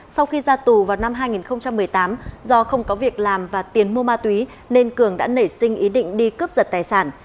sau khi ra tù vào năm hai nghìn một mươi tám do không có việc làm và tiền mua ma túy nên cường đã nảy sinh ý định đi cướp giật tài sản